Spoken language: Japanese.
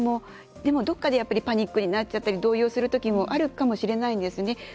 でも、どっかでパニックになっちゃったり動揺するときもあるかもしれないんですね。